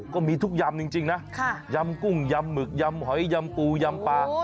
ก็มีทุกยำจริงนะยำกุ้งยำหมึกยำหอยยำปูยำปลา